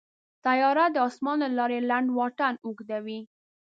طیاره د اسمان له لارې لنډ واټن اوږدوي.